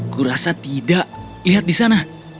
kurasa tidak lihat di sana